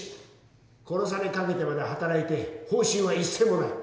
殺されかけてまで働いて報酬は一銭もない。